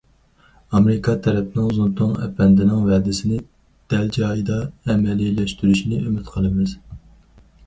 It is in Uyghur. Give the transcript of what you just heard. ئامېرىكا تەرەپنىڭ زۇڭتۇڭ ئەپەندىنىڭ ۋەدىسىنى دەل جايىدا ئەمەلىيلەشتۈرۈشىنى ئۈمىد قىلىمىز.